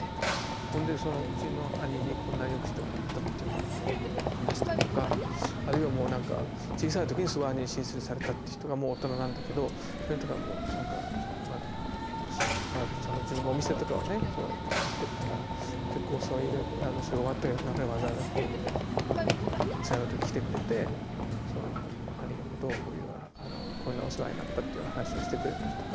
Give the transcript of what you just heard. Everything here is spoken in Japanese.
ほんでうちの兄にこんなによくしてもらったっていうようなことを話したりとかあるいはなんか小さいときにすごい兄に親切にされたって人がもう大人なんだけどその人がもうなんか自分がお店とかをねやってるから結構遅いそれ終わった夜中にわざわざ通夜のとき来てくれて兄のことをいろいろこんなお世話になったっていうような話をしてくれたりとか。